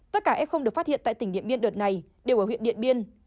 tất cả f không được phát hiện tại tỉnh điện biên đợt này đều ở huyện điện biên